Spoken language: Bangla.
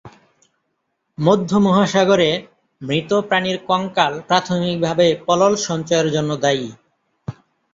মধ্য মহাসাগরে, মৃত প্রাণীর কঙ্কাল প্রাথমিকভাবে পলল সঞ্চয়ের জন্য দায়ী।